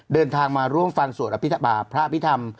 เดินทางมาร่วมฟังสวดอภิษฐพระพิธรรม